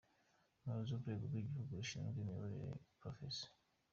Umuyobozi w’Urwego rw’Igihugu rushinzwe imiyoborere, Prof.